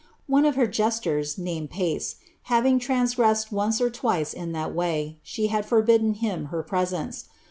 One of her jesters, named Ptee, having transgressed once or twice in that way, she had forbidden liiiD her presence.